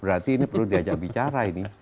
berarti ini perlu diajak bicara ini